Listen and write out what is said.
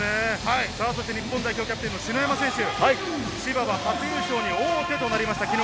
日本代表キャプテンの篠山選手、千葉は初優勝に王手になりました。